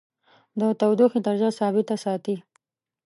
د تودیخي درجه ثابته ساتي.